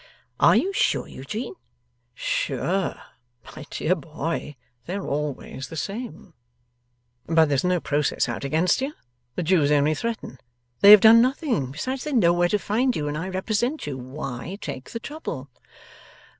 'Are you sure, Eugene?' 'Sure? My dear boy, they are always the same.' 'But there's no process out against you. The Jews only threaten. They have done nothing. Besides, they know where to find you, and I represent you. Why take the trouble?